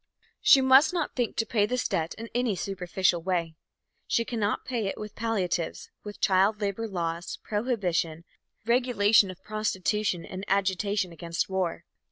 She must not think to pay this debt in any superficial way. She cannot pay it with palliatives with child labor laws, prohibition, regulation of prostitution and agitation against war.